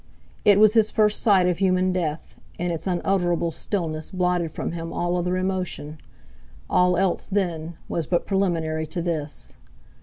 It was his first sight of human death, and its unutterable stillness blotted from him all other emotion; all else, then, was but preliminary to this!